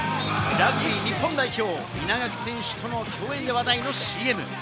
ラグビー日本代表・稲垣選手との共演で話題のＣＭ。